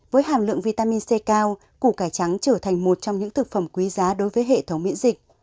với hàm lượng vitamin c cao củ cải trắng trở thành một trong những thực phẩm quý giá đối với hệ thống miễn dịch